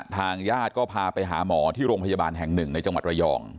ทางญาติก็พาไปหาหมอที่โรงพยาบาลแห่งหนึ่งในจังหวัดระยอง